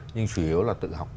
nhưng chủ yếu là tự học